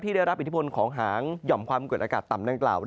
ได้รับอิทธิพลของหางหย่อมความกดอากาศต่ำดังกล่าว